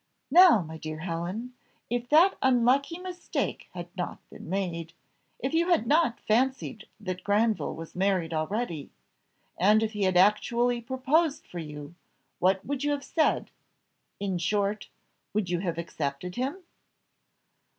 "Now, my dear Helen, if that unlucky mistake had not been made, if you had not fancied that Granville was married already, and if he had actually proposed for you, what would you have said? in short would you have accepted him?"